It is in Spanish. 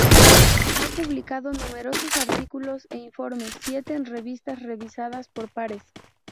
Ha publicado numerosos artículos e informes, siete en revistas revisadas por pares.